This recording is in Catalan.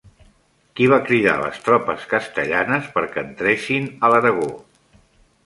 Qui va cridar les tropes castellanes perquè entressin a l'Aragó?